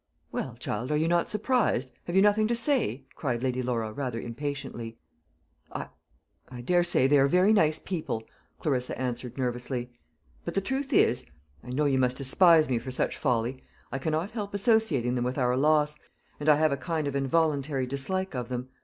"Well, child, are you not surprised? have you nothing to say?" cried Lady Laura, rather impatiently. "I I daresay they are very nice people," Clarissa answered, nervously. "But the truth is I know you must despise me for such folly I cannot help associating them with our loss, and I have a kind of involuntary dislike of them.